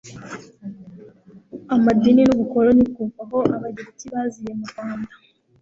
amadini n'ubukoloni kuva aho ababiligi baziye mu rwanda